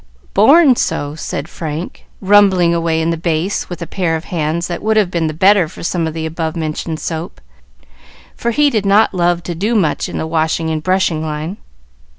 "Born so," said Frank, rumbling away in the bass with a pair of hands that would have been the better for some of the above mentioned soap, for he did not love to do much in the washing and brushing line.